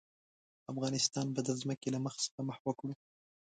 افغانستان به د ځمکې له مخ څخه محوه کړو.